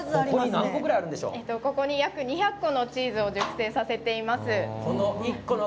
ここに２００個のチーズを熟成させています。